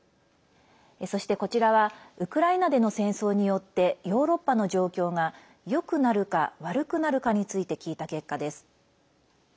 そして、こちらはウクライナでの戦争によってヨーロッパの状況が良くなるか、悪くなるかについて聞いた結果です。